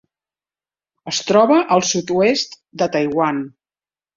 Es troba al sud-oest de Taiwan.